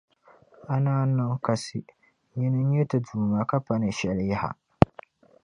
A nam niŋ kasi, nyini n-nyɛ ti Duuma ka pa ni shɛli yaha.